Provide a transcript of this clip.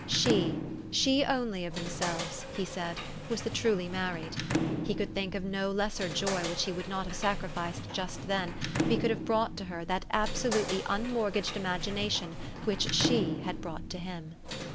She, she only of themselves, he said, was the truly married. He could think of no lesser joy which he would not have sacrificed just then, if he could have brought to her that absolutely unmortgaged imagination which she had brought to him.